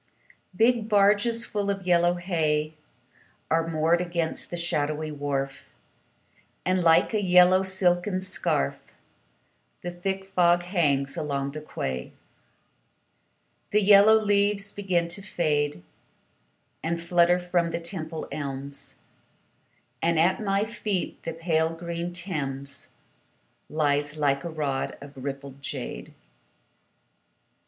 Big barges full of yellow hay Are moored against the shadowy wharf, And, like a yellow silken scarf, The thick fog hangs along the quay. The yellow leaves begin to fade And flutter from the Temple elms, And at my feet the pale green Thames Lies like a rod of rippled jade.